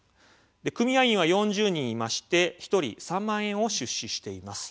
組合員は４０人いまして１人３万円を出資しています。